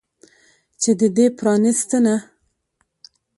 چې د دې پرانستنه